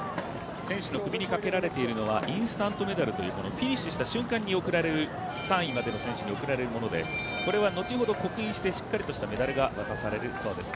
選手の首にかけられているのは、インスタントメダルというフィニッシュした瞬間に３位までの選手に贈られるものでこれは後ほど刻印してしっかりとしたメダルが渡されるそうです。